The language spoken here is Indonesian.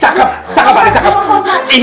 bangun bangun bangun bangun